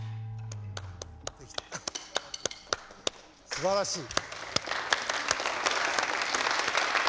すばらしい。